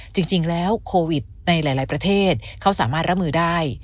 จริงแล้วโควิดในหลายประเทศเขาสามารถรับมือได้